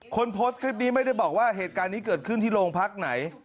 คนโพสต์คลิปนี้ไม่ได้บอกว่าเหตุการณ์นี้เกิดขึ้นที่โรงพักไหน